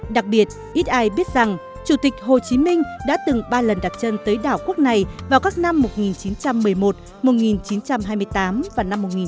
đặc biệt ít ai biết rằng chủ tịch hồ chí minh đã từng ba lần đặt chân tới đảo quốc này vào các năm một nghìn chín trăm một mươi một một nghìn chín trăm hai mươi tám và năm một nghìn chín trăm bảy mươi